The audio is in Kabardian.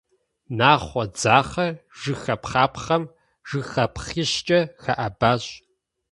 Нахъуэ дзахъэ жыхапхъапхъэм жыхапхъищкӏэ хэӏэбащ.